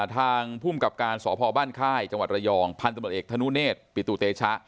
ทางภูมิกับการสพบ้านค่ายจังหวัดระยองพันธมตเอกธนุเนธปิตุเตชะ